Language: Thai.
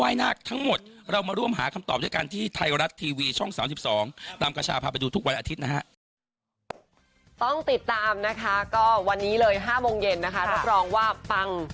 และจากที่ปุ๋ยพระอาจวงศรี่ก็อภัย